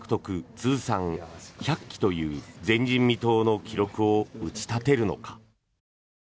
通算１００期という前人未到の記録を打ち立てるのか。